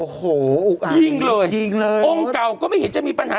โอ้โหยิงเลยยิงเลยองค์เก่าก็ไม่เห็นจะมีปัญหา